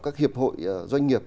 các hiệp hội doanh nghiệp